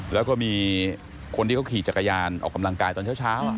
แล้วก็มีคนที่เขาขี่จักรยานออกกำลังกายตอนเช้า